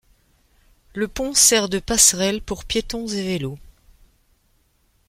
Le pont sert de passerelle pour piétons et vélos.